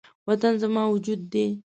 وطن زما وجود دی